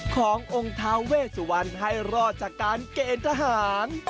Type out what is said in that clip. ขององค์ทาเวสุวรรณให้รอดจากการเกณฑ์ทหาร